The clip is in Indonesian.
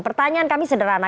pertanyaan kami sederhana